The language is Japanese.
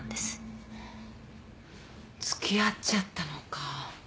付き合っちゃったのか。